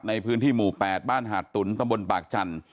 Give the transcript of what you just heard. ในพื้นที่หมู่๘บ้านหาดตุ๋นตำบลปากจันทร์